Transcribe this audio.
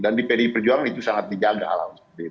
dan di pdi perjuangan itu sangat dijaga lah